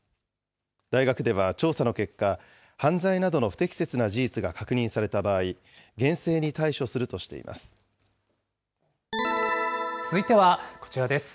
大学では調査の結果、犯罪などの不適切な事実が確認された場合、続いてはこちらです。